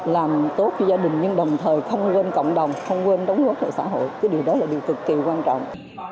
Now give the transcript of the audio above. làm tốt cho gia đình nhưng đồng thời không quên cộng đồng không quên đóng góp cho xã hội cái điều đó là điều cực kỳ quan trọng